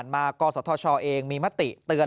มากศธชเองมีมติเตือน